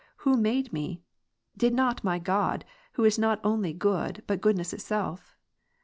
Who made me? Did not my God, who is not only good, but goodness itself?